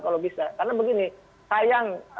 kalau bisa karena begini sayang